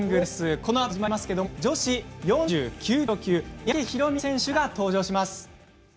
このあと始まりますが女子４９キロ級三宅宏実選手が登場します。